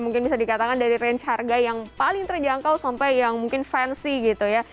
mungkin bisa dikatakan dari range harga yang paling terjangkau sampai yang mungkin fansy gitu ya